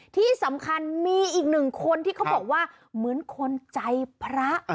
ที่สำคัญมีอีกหนึ่งคนที่เขาบอกว่าเหมือนคนใจพระ